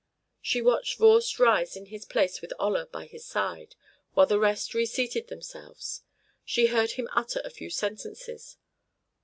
She watched Voorst rise in his place with Olla by his side, while the rest reseated themselves; she heard him utter a few sentences.